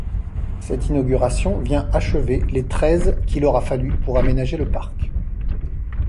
Cette inauguration vient achever les treize qu'il aura fallu pour aménager le parc.